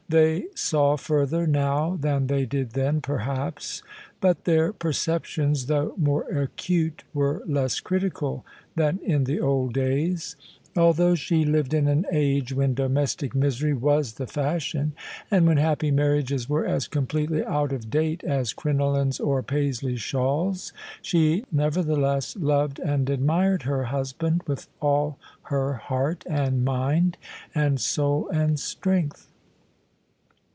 They saw further now than they did then, perhaps: but their perceptions, though more acute, were less critical than in the old days. Although she lived in an age when domestic misery was the fashion, and when happy marriages were as completely out of date as crinolines or Paisley shawls, she nevertheless loved and admired her husband with all her heart and mind and soul and strength.